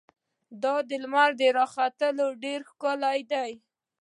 دا د لمر راختل ډېر ښکلی دي.